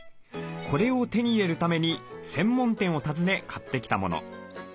これを手に入れるために専門店を訪ね買ってきたもの。